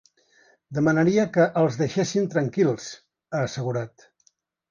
Demanaria que els deixessin tranquils, ha assegurat.